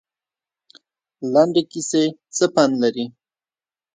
لنډې کیسې څه پند لري؟